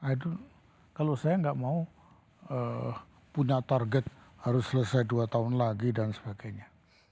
itu kalau saya nggak mau punya target harus selesai dua tahun lagi dan sebagainya